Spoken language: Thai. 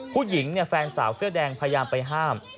ผู้หญิงแฟนสาวเสื้อแดงพยายามไปห้าม